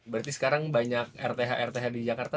berarti sekarang banyak rth rth di jakarta